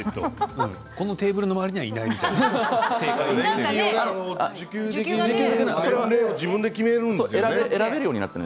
このテーブルの周りにはいないみたい受給年齢は自分で決めるんですよね。